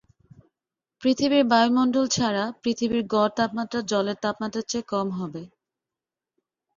পৃথিবীর বায়ুমণ্ডল ছাড়া, পৃথিবীর গড় তাপমাত্রা জলের তাপমাত্রার চেয়ে কম হবে।